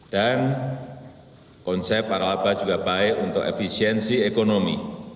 dan konsep warah laba juga baik untuk efisiensi ekonomi